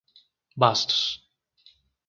Bastos